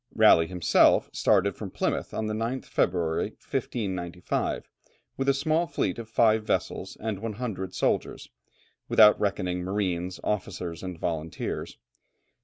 Raleigh himself started from Plymouth on the 9th February, 1595, with a small fleet of five vessels, and 100 soldiers, without reckoning marines, officers, and volunteers.